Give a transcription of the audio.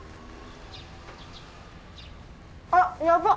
あっやばっ！